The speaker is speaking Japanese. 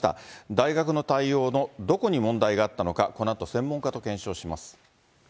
大学の対応のどこに問題があったのか、このあと専門家と検証します。